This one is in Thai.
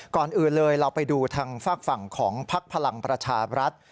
ก่อนอื่นเลยเราไปดูทางฝากฝั่งของพักพลังประชาบรัฐ